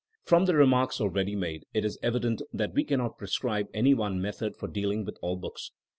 From the remarks already made, it is evident that we cannot prescribe any one method for dealing with all books.